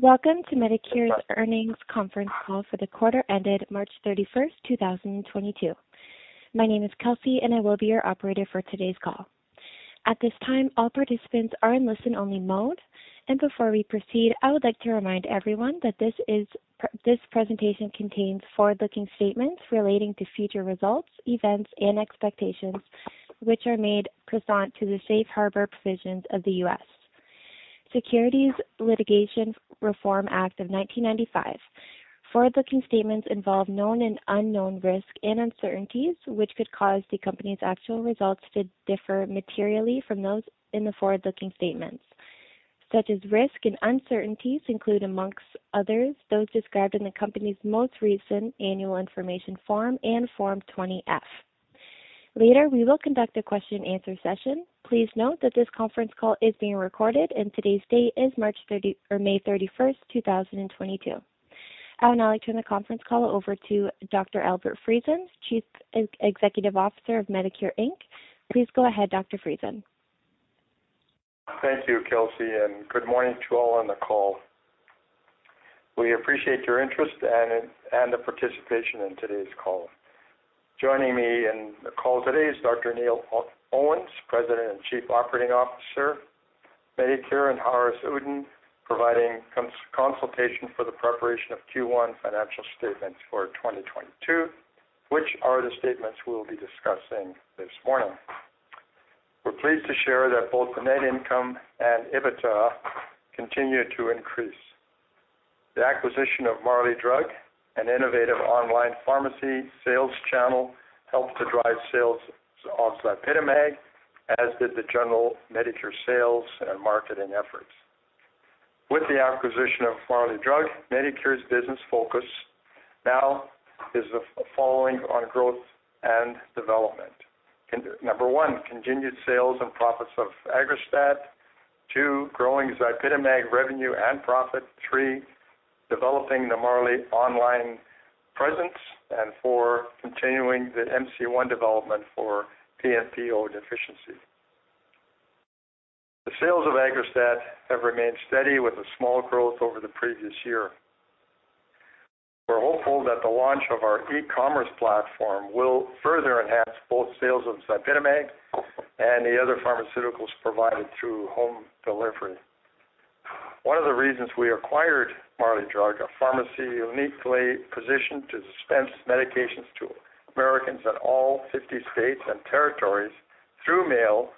Welcome to Medicure's Earnings Conference Call for the quarter ended March 31st, 2022. My name is Kelsey and I will be your operator for today's call. At this time, all participants are in listen-only mode. Before we proceed, I would like to remind everyone that this presentation contains forward-looking statements relating to future results, events and expectations, which are made pursuant to the Safe Harbor provisions of the Private Securities Litigation Reform Act of 1995. Forward-looking statements involve known and unknown risks and uncertainties, which could cause the company's actual results to differ materially from those in the forward-looking statements. Such risks and uncertainties include, among others, those described in the company's most recent annual information form and Form 20-F. Later, we will conduct a question and answer session. Please note that this conference call is being recorded, and today's date is May 31st, 2022. I'll now turn the conference call over to Dr. Albert Friesen, Chief Executive Officer of Medicure Inc. Please go ahead, Dr. Friesen. Thank you, Kelsey, and good morning to all on the call. We appreciate your interest and the participation in today's call. Joining me in the call today is Dr. Neil Owens, President and Chief Operating Officer, Medicure, and Haaris Uddin, providing consultation for the preparation of Q1 financial statements for 2022, which are the statements we'll be discussing this morning. We're pleased to share that both the net income and EBITDA continue to increase. The acquisition of Marley Drug, an innovative online pharmacy sales channel, helped to drive sales of Zypitamag, as did the general Medicure sales and marketing efforts. With the acquisition of Marley Drug, Medicure's business focus now is focused on growth and development. Number one, continued sales and profits of AGGRASTAT. Two, growing Zypitamag revenue and profit. Three, developing the Marley online presence. Four, continuing the MC-1 development for PNPO deficiency. The sales of AGGRASTAT have remained steady with a small growth over the previous year. We're hopeful that the launch of our e-commerce platform will further enhance both sales of Zypitamag and the other pharmaceuticals provided through home delivery. One of the reasons we acquired Marley Drug, a pharmacy uniquely positioned to dispense medications to Americans in all 50 states and territories through mail,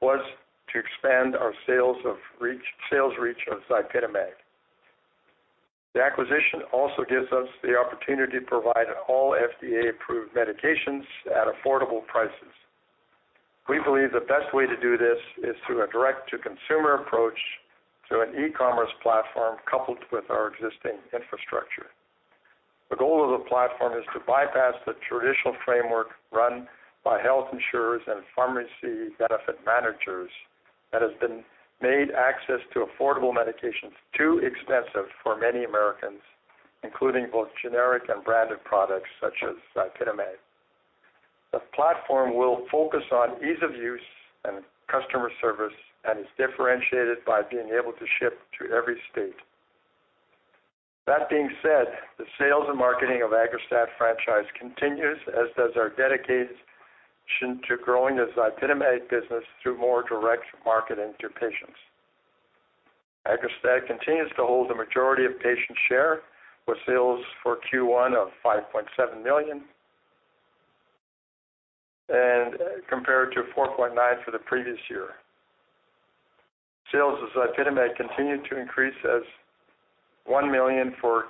was to expand our sales reach of Zypitamag. The acquisition also gives us the opportunity to provide all FDA-approved medications at affordable prices. We believe the best way to do this is through a direct-to-consumer approach through an e-commerce platform coupled with our existing infrastructure. The goal of the platform is to bypass the traditional framework run by health insurers and pharmacy benefit managers that has made access to affordable medications too expensive for many Americans, including both generic and branded products such as Zypitamag. The platform will focus on ease of use and customer service and is differentiated by being able to ship to every state. That being said, the sales and marketing of AGGRASTAT franchise continues as does our dedication to growing the Zypitamag business through more direct marketing to patients. AGGRASTAT continues to hold the majority of patient share with sales for Q1 of $5.7 million compared to $4.9 million for the previous year. Sales of Zypitamag continued to increase as $1 million for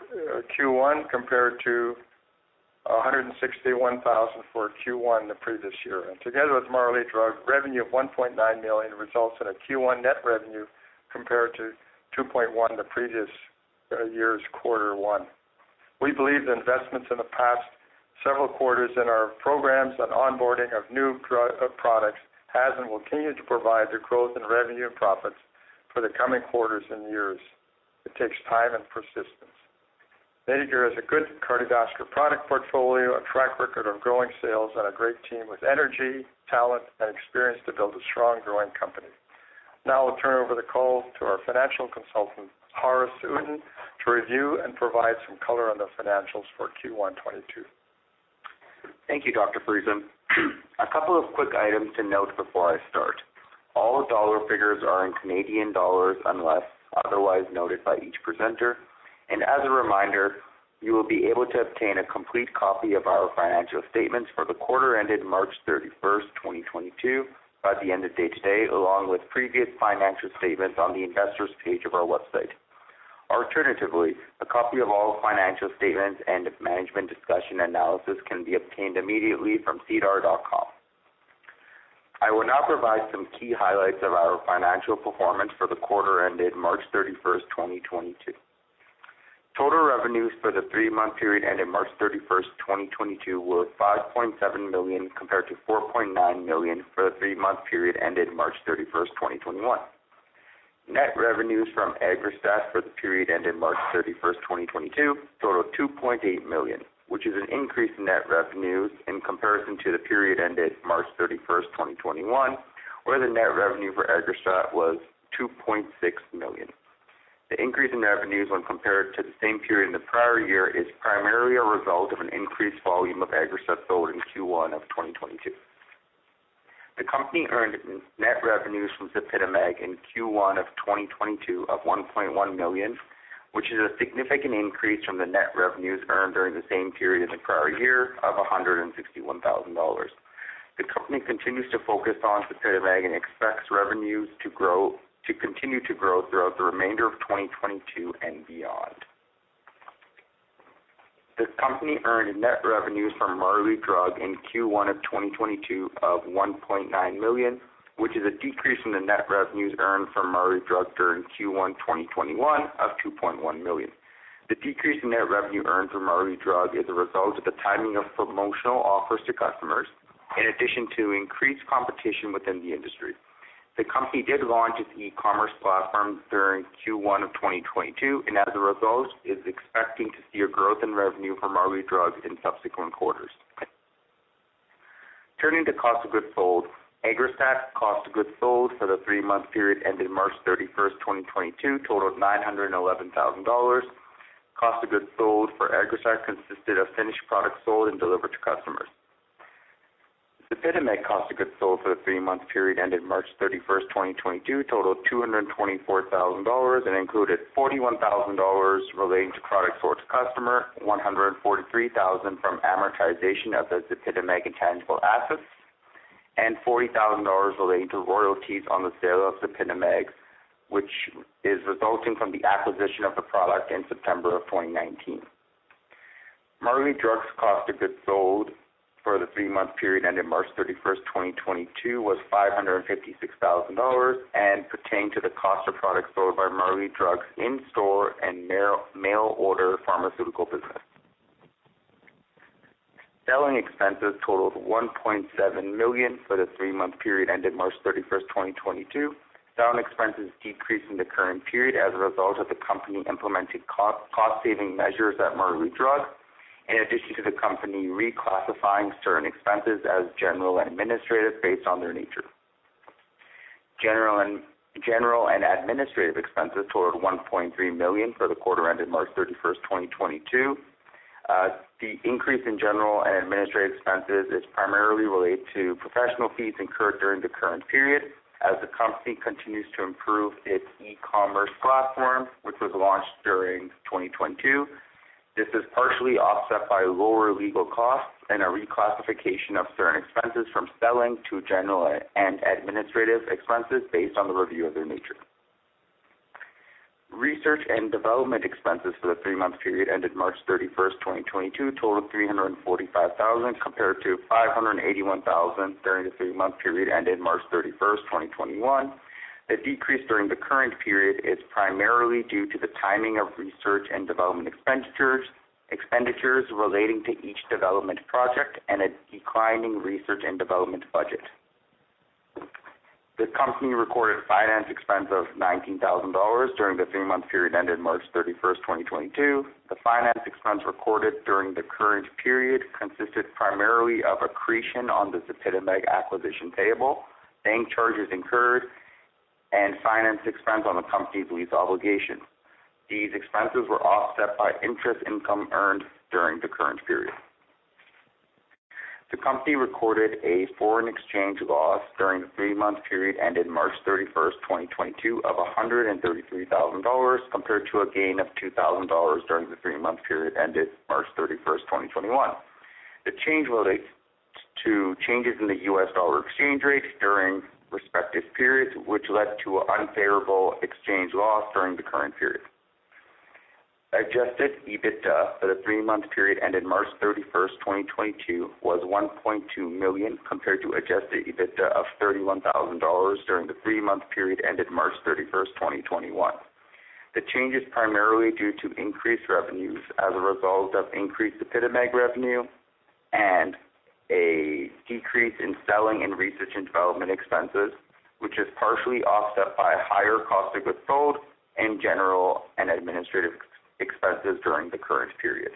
Q1 compared to $161,000 for Q1 the previous year. Together with Marley Drug, revenue of 1.9 million results in a Q1 net revenue compared to 2.1 million the previous year's quarter one. We believe the investments in the past several quarters in our programs and onboarding of new products has and will continue to provide the growth in revenue and profits for the coming quarters and years. It takes time and persistence. Medicure has a good cardiovascular product portfolio, a track record of growing sales, and a great team with energy, talent, and experience to build a strong growing company. Now I'll turn over the call to our financial consultant, Haaris Uddin, to review and provide some color on the financials for Q1 2022. Thank you, Dr. Friesen. A couple of quick items to note before I start. All dollar figures are in Canadian dollars unless otherwise noted by each presenter. As a reminder, you will be able to obtain a complete copy of our financial statements for the quarter ended March 31st, 2022 by the end of day today, along with previous financial statements on the investors page of our website. Alternatively, a copy of all financial statements and management's discussion and analysis can be obtained immediately from SEDAR.com. I will now provide some key highlights of our financial performance for the quarter ended March 31st, 2022. Total revenues for the three-month period ended March 31st, 2022 were 5.7 million, compared to 4.9 million for the three-month period ended March 31st, 2021. Net revenues from AGGRASTAT for the period ended March 31st, 2022 totaled 2.8 million, which is an increase in net revenues in comparison to the period ended March 31st, 2021, where the net revenue for AGGRASTAT was 2.6 million. The increase in revenues when compared to the same period in the prior year is primarily a result of an increased volume of AGGRASTAT sold in Q1 of 2022. The company earned net revenues from Zypitamag in Q1 of 2022 of 1.1 million, which is a significant increase from the net revenues earned during the same period in the prior year of 161,000 dollars. The company continues to focus on Zypitamag and expects revenues to grow to continue to grow throughout the remainder of 2022 and beyond. The company earned net revenues from Marley Drug in Q1 of 2022 of 1.9 million, which is a decrease from the net revenues earned from Marley Drug during Q1 2021 of 2.1 million. The decrease in net revenue earned from Marley Drug is a result of the timing of promotional offers to customers, in addition to increased competition within the industry. The company did launch its e-commerce platform during Q1 of 2022, and as a result, is expecting to see a growth in revenue from Marley Drug in subsequent quarters. Turning to cost of goods sold. AGGRASTAT cost of goods sold for the three-month period ending March 31, 2022 totaled 911,000 dollars. Cost of goods sold for AGGRASTAT consisted of finished products sold and delivered to customers. Zypitamag cost of goods sold for the three-month period ending March 31st, 2022 totaled CAD $224,000 and included CAD $41,000 relating to products sold to customer, CAD $143,000 from amortization of the Zypitamag intangible assets, and CAD $40,000 relating to royalties on the sale of Zypitamag, which is resulting from the acquisition of the product in September 2019. Marley Drug's cost of goods sold for the three-month period ended March 31st, 2022 was 556,000 dollars and pertained to the cost of products sold by Marley Drug in store and mail-order pharmaceutical business. Selling expenses totaled 1.7 million for the three-month period ended March 31st, 2022. Selling expenses decreased in the current period as a result of the company implementing cost saving measures at Marley Drug, in addition to the company reclassifying certain expenses as general and administrative based on their nature. General and administrative expenses totaled 1.3 million for the quarter ended March 31st, 2022. The increase in general and administrative expenses is primarily related to professional fees incurred during the current period as the company continues to improve its e-commerce platform, which was launched during 2022. This is partially offset by lower legal costs and a reclassification of certain expenses from selling to general and administrative expenses based on the review of their nature. Research and development expenses for the three-month period ended March 31st, 2022 totaled 345,000, compared to 581,000 during the three-month period ended March 31st, 2021. The decrease during the current period is primarily due to the timing of research and development expenditures relating to each development project and a declining research and development budget. The company recorded finance expense of CAD $19,000 during the three-month period ended March 31st, 2022. The finance expense recorded during the current period consisted primarily of accretion on the Zypitamag acquisition payable, bank charges incurred, and finance expense on the company's lease obligation. These expenses were offset by interest income earned during the current period. The company recorded a foreign exchange loss during the three-month period ended March 31st, 2022 of CAD $133,000, compared to a gain of CAD $2,000 during the three-month period ended March 31s, 2021. The change relates to changes in the US dollar exchange rate during respective periods, which led to unfavorable exchange loss during the current period. Adjusted EBITDA for the three-month period ended March 31st, 2022 was 1.2 million, compared to adjusted EBITDA of CAD $31,000 during the three-month period ended March 31st, 2021. The change is primarily due to increased revenues as a result of increased Zypitamag revenue and a decrease in selling and research and development expenses, which is partially offset by higher cost of goods sold and general and administrative expenses during the current period.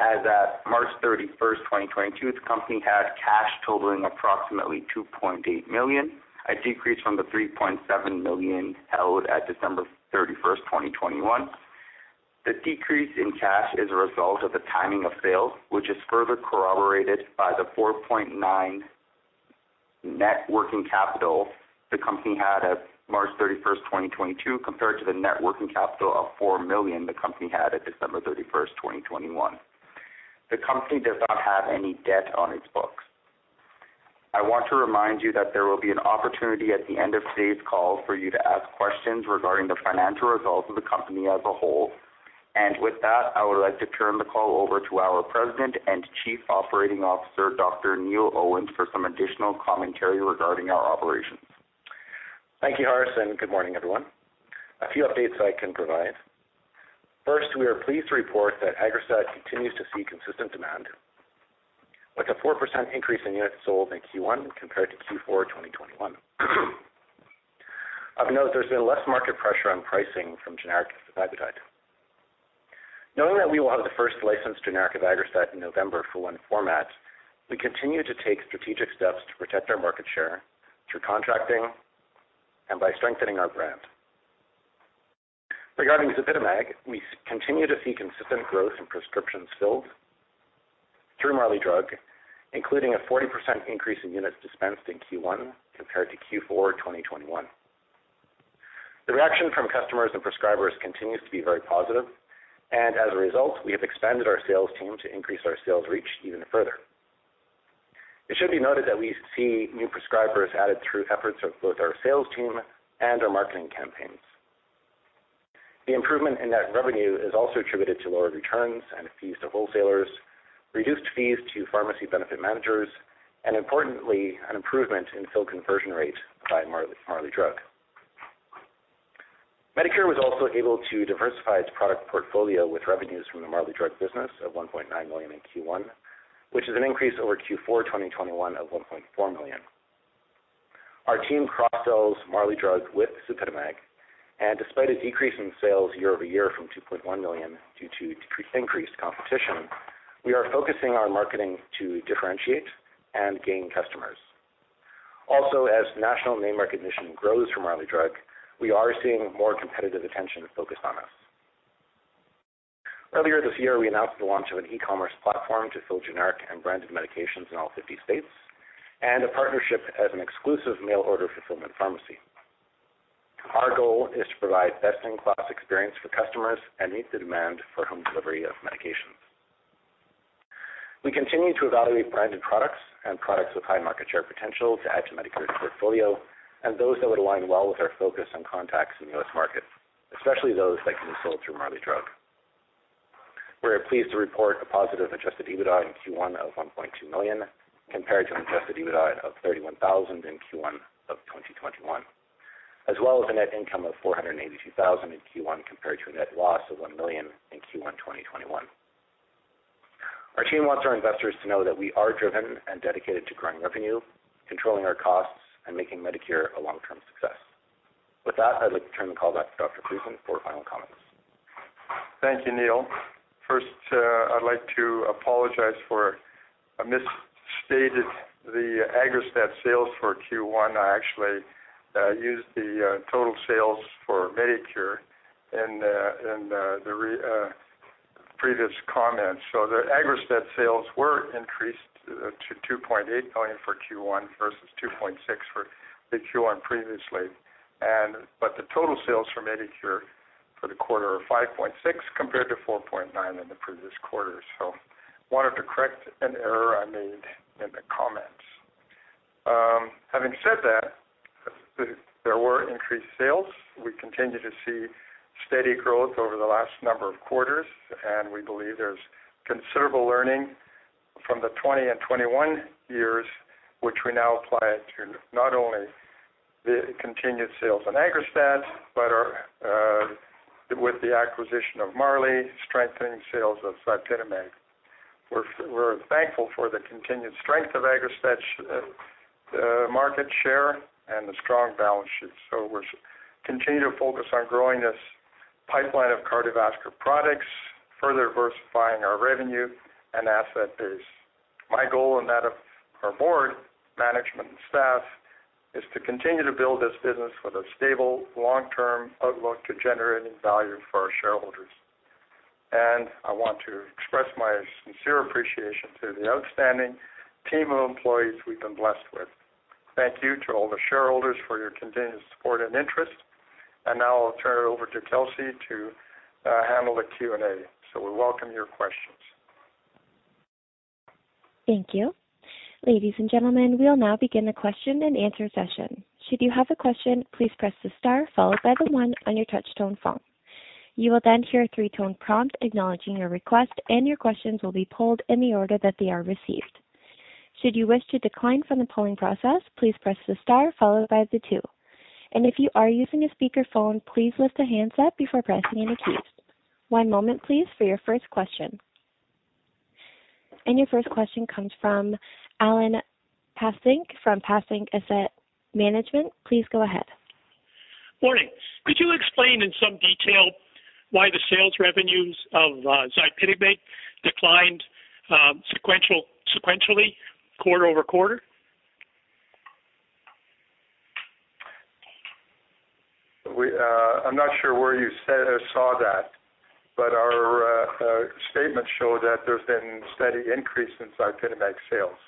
As at March 31st, 2022, the company had cash totaling approximately 2.8 million, a decrease from the 3.7 million held at December 31st, 2021. The decrease in cash is a result of the timing of sales, which is further corroborated by the 4.9 million net working capital the company had at March 31st, 2022, compared to the net working capital of 4 million the company had at December 31st, 2021. The company does not have any debt on its books. I want to remind you that there will be an opportunity at the end of today's call for you to ask questions regarding the financial results of the company as a whole. With that, I would like to turn the call over to our President and Chief Operating Officer, Dr. Neil Owens, for some additional commentary regarding our operations. Thank you, Haaris. Good morning, everyone. A few updates I can provide. First, we are pleased to report that AGGRASTAT continues to see consistent demand, with a 4% increase in units sold in Q1 compared to Q4 2021. I've noted there's been less market pressure on pricing from generic eptifibatide. Knowing that we will have the first licensed generic of AGGRASTAT in November for one format, we continue to take strategic steps to protect our market share through contracting and by strengthening our brand. Regarding Zypitamag, we continue to see consistent growth in prescriptions filled through Marley Drug, including a 40% increase in units dispensed in Q1 compared to Q4 2021. The reaction from customers and prescribers continues to be very positive, and as a result, we have expanded our sales team to increase our sales reach even further. It should be noted that we see new prescribers added through efforts of both our sales team and our marketing campaigns. The improvement in net revenue is also attributed to lower returns and fees to wholesalers, reduced fees to pharmacy benefit managers, and importantly, an improvement in fill conversion rate by Marley Drug. Medicure was also able to diversify its product portfolio with revenues from the Marley Drug business of 1.9 million in Q1, which is an increase over Q4 2021 of 1.4 million. Our team cross-sells Marley Drug with Zypitamag, and despite a decrease in sales year-over-year from 2.1 million due to increased competition, we are focusing our marketing to differentiate and gain customers. Also, as national name recognition grows from Marley Drug, we are seeing more competitive attention focused on us. Earlier this year, we announced the launch of an e-commerce platform to fill generic and branded medications in all 50 states and a partnership as an exclusive mail order fulfillment pharmacy. Our goal is to provide best-in-class experience for customers and meet the demand for home delivery of medications. We continue to evaluate branded products and products with high market share potential to add to Medicure's portfolio and those that would align well with our focus on contracts in the U.S. market, especially those that can be sold through Marley Drug. We're pleased to report a positive adjusted EBITDA in Q1 of 1.2 million compared to an adjusted EBITDA of 31,000 in Q1 of 2021. As well as a net income of 482,000 in Q1 compared to a net loss of 1 million in Q1 2021. Our team wants our investors to know that we are driven and dedicated to growing revenue, controlling our costs, and making Medicure a long-term success. With that, I'd like to turn the call back to Dr. Friesen for final comments. Thank you, Neil. First, I'd like to apologize for misstating the AGGRASTAT sales for Q1. I actually used the total sales for Medicure in the previous comments. The AGGRASTAT sales were increased to 2.8 million for Q1 versus 2.6 million for the Q1 previously. But the total sales for Medicure for the quarter are 5.6 million compared to 4.9 million in the previous quarter. Wanted to correct an error I made in the comments. Having said that, there were increased sales. We continue to see steady growth over the last number of quarters, and we believe there's considerable learning from the 2020 and 2021 years, which we now apply to not only the continued sales of AGGRASTAT but with the acquisition of Marley, strengthening sales of Zypitamag. We're thankful for the continued strength of AGGRASTAT market share and the strong balance sheet. We continue to focus on growing this pipeline of cardiovascular products, further diversifying our revenue and asset base. My goal and that of our board, management and staff is to continue to build this business with a stable, long-term outlook to generating value for our shareholders. I want to express my sincere appreciation to the outstanding team of employees we've been blessed with. Thank you to all the shareholders for your continued support and interest. Now I'll turn it over to Kelsey to handle the Q&A. We welcome your questions. Thank you. Ladies and gentlemen, we'll now begin the question and answer session. Should you have a question, please press the star followed by the one on your touch tone phone. You will then hear a three-tone prompt acknowledging your request, and your questions will be pooled in the order that they are received. Should you wish to decline from the polling process, please press the star followed by the two. If you are using a speakerphone, please lift the handset before pressing any keys. One moment, please, for your first question. Your first question comes from Alan Passink from Passink Asset Management. Please go ahead. Morning. Could you explain in some detail why the sales revenues of Zypitamag declined sequentially quarter over quarter? We, I'm not sure where you saw that, but our statements show that there's been steady increase in Zypitamag sales.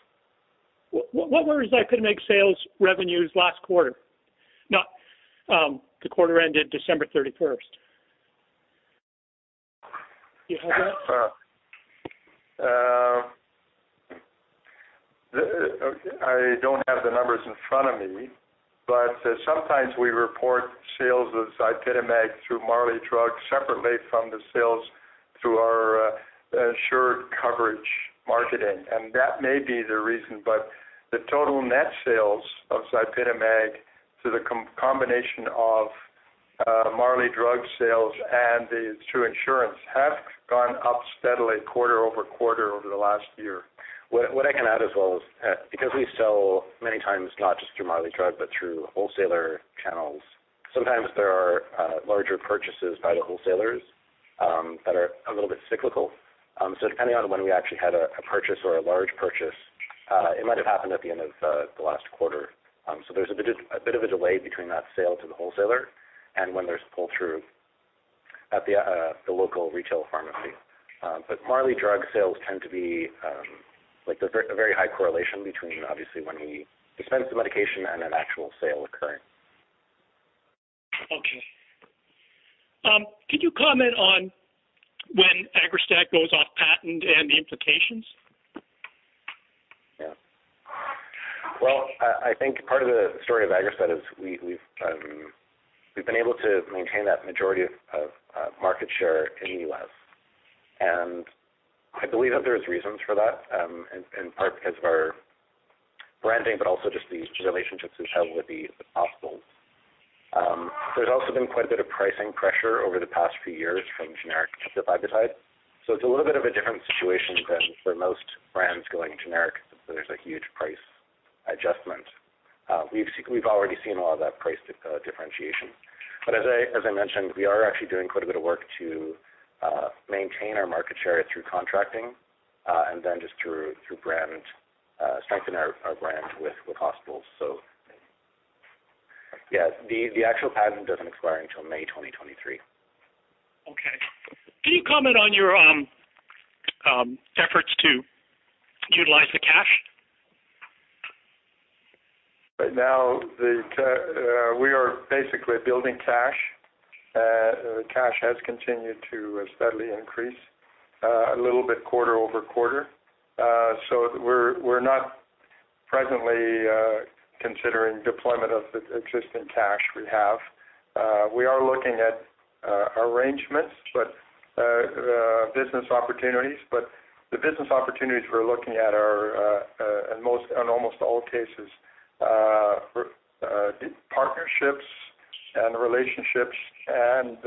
What were Zypitamag sales revenues last quarter? No, the quarter ended December thirty-first. Do you have that? I don't have the numbers in front of me, but sometimes we report sales of Zypitamag through Marley Drug separately from the sales through our assured coverage marketing. That may be the reason, but the total net sales of Zypitamag through the combination of Marley Drug sales and through insurance have gone up steadily quarter-over-quarter over the last year. What I can add as well is, because we sell many times, not just through Marley Drug, but through wholesaler channels, sometimes there are larger purchases by the wholesalers that are a little bit cyclical. Depending on when we actually had a purchase or a large purchase, it might have happened at the end of the last quarter. There's a bit of a delay between that sale to the wholesaler and when there's pull-through at the local retail pharmacy. Marley Drug sales tend to be like there's a very high correlation between obviously when we dispense the medication and an actual sale occurring. Okay. Could you comment on when AGGRASTAT goes off patent and the implications? Well, I think part of the story of AGGRASTAT is we've been able to maintain that majority of market share in the U.S. I believe that there's reasons for that, in part because of our branding, but also just the relationships we have with the hospitals. There's also been quite a bit of pricing pressure over the past few years from generic eptifibatide. It's a little bit of a different situation than for most brands going generic, since there's a huge price adjustment. We've already seen a lot of that price differentiation. As I mentioned, we are actually doing quite a bit of work to maintain our market share through contracting, and then just through branding to strengthen our brand with hospitals. Yeah, the actual patent doesn't expire until May 2023. Okay. Can you comment on your efforts to utilize the cash? Right now, we are basically building cash. Cash has continued to steadily increase a little bit quarter-over-quarter. We're not presently considering deployment of the existing cash we have. We are looking at arrangements, but business opportunities. The business opportunities we're looking at are in almost all cases partnerships and relationships and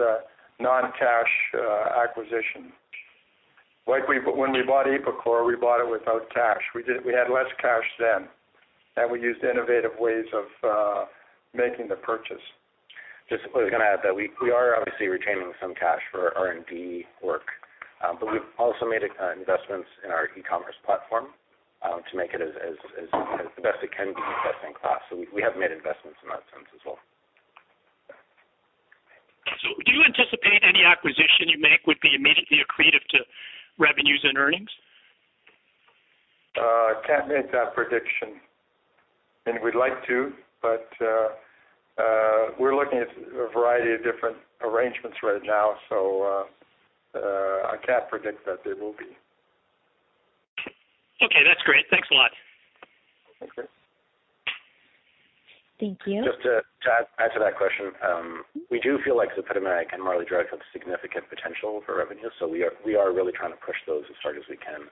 non-cash acquisition. Like when we bought Apicore, we bought it without cash. We had less cash then, and we used innovative ways of making the purchase. Just was gonna add that we are obviously retaining some cash for R&D work, but we've also made investments in our e-commerce platform to make it as best it can be best in class. We have made investments in that sense as well. Do you anticipate any acquisition you make would be immediately accretive to revenues and earnings? Can't make that prediction. We'd like to, but we're looking at a variety of different arrangements right now, so I can't predict that they will be. Okay, that's great. Thanks a lot. Okay. Thank you. Just to add to that question, we do feel like Zypitamag and Marley Drug have significant potential for revenue, so we are really trying to push those as hard as we can.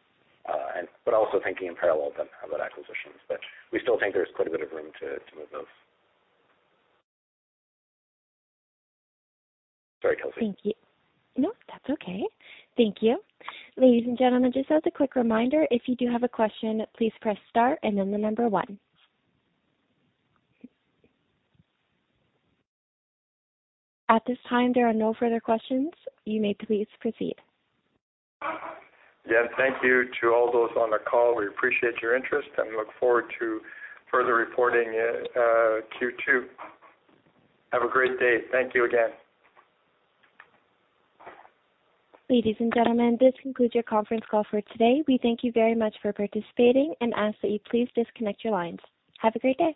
But also thinking in parallel then about acquisitions. We still think there's quite a bit of room to move those. Sorry, Kelsey. Thank you. No, that's okay. Thank you. Ladies and gentlemen, just as a quick reminder, if you do have a question, please press star and then the number one. At this time, there are no further questions. You may please proceed. Yeah, thank you to all those on the call. We appreciate your interest and look forward to further reporting in Q2. Have a great day. Thank you again. Ladies and gentlemen, this concludes your conference call for today. We thank you very much for participating and ask that you please disconnect your lines. Have a great day.